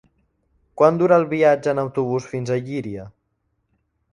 Quant dura el viatge en autobús fins a Llíria?